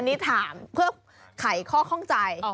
นี่ถามเพื่อไขข้อข้องใจ